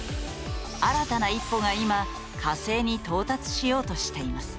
新たな一歩が、今火星に到達しようとしています。